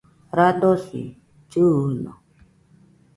radosi llɨɨno